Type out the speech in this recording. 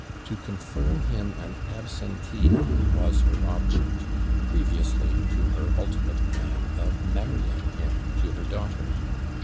To confirm him an absentee was her object previously to her ultimate plan of marrying him to her daughter.